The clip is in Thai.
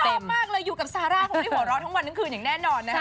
มากเลยอยู่กับซาร่าคงไม่หัวเราะทั้งวันทั้งคืนอย่างแน่นอนนะคะ